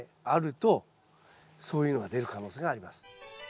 あるとそういうのが出る可能性があります。